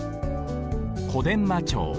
「小伝馬町」。